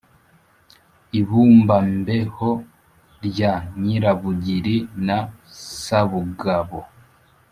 i bumba-mbeho rya nyirabugiri na sabugabo,